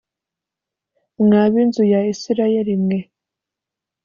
Mwa b’inzu ya Isirayeli mwe